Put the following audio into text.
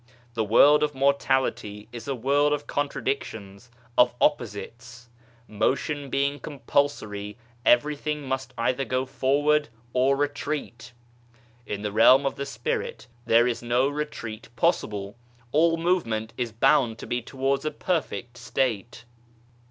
The World of Mortality is a world of contradictions, of opposites ; motion being compulsory everything must either go forward or retreat. In the realm of Spirit there is no retreat possible, all movement is bound to be towards a perfect state.